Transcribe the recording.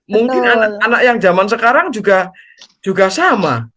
mungkin anak anak yang zaman sekarang juga sama